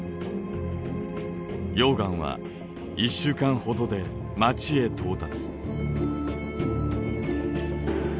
溶岩は１週間ほどで街へ到達。